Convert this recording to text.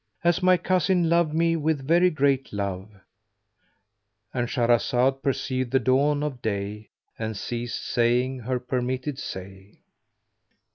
As my cousin loved me with very great love,—And Shahrazad perceived the dawn of day and ceased saying her permitted say.